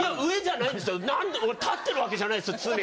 なんで俺立ってるわけじゃないですよ常に。